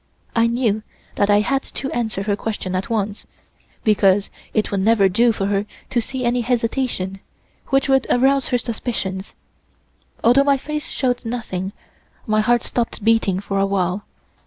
I knew that I had to answer her question at once, because it would never do for her to see any hesitation, which would arouse her suspicions. Although my face showed nothing, my heart stopped beating for a while.